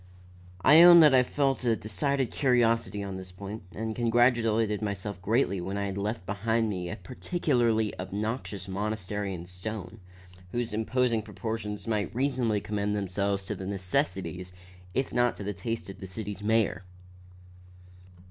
I own that I felt a decided curiosity on this point, and congratulated myself greatly when I had left behind me a peculiarly obnoxious monstrosity in stone, whose imposing proportions might reasonably commend themselves to the necessities, if not to the taste of the city's mayor.